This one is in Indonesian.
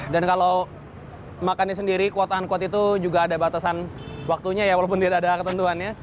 dan kalau makan sendiri kuat tahan kuat itu juga ada batasan waktunya ya walaupun tidak ada ketentuannya